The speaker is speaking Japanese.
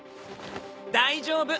大丈夫！